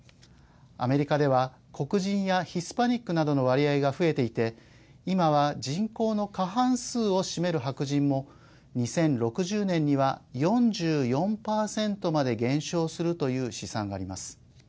アメリカでは黒人やヒスパニックなどの割合が増えていて今は人口の過半数を占める白人も２０６０年には４４％まで減少するという試算があります。